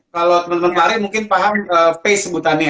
kalau temen temen lari mungkin paham pace sebutannya